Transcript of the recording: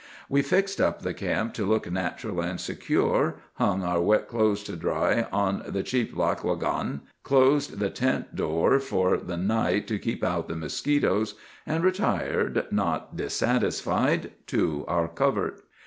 "We fixed up the camp to look natural and secure, hung our wet clothes to dry on the cheep lahquah gan, closed the tent door for the night to keep out the mosquitoes, and retired, not dissatisfied, to our covert.